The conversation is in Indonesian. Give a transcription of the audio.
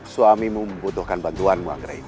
suamimu membutuhkan bantuanmu anggrahini